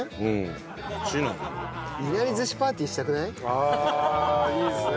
ああいいですね。